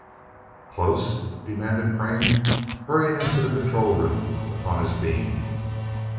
"Close?" demanded Crane, hurrying into the control room upon his beam.